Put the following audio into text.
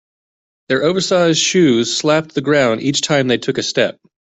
Their oversized shoes slapped the ground each time they took a step.